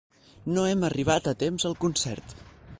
No hem arribat a temps al concert.